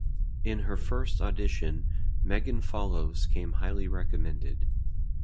In her first audition, Megan Follows came highly recommended.